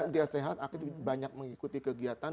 dia sehat aktif banyak mengikuti kegiatan